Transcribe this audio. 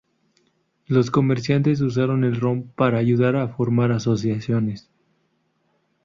Los comerciantes usaron el ron para ayudar a formar asociaciones.